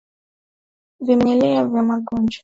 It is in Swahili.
Vimelea vya magonjwa mengine